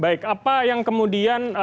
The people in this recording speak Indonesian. baik apa yang kemudian